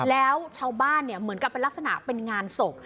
แล้วชาวบ้านเหมือนกับเป็นลักษณะเป็นงานศพ